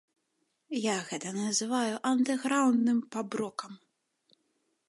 Я гэта называю андэграўндным паб-рокам.